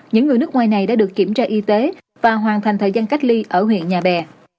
những người nước ngoài này đã được kiểm tra y tế và hoàn thành thời gian cách ly ở huyện nhà bè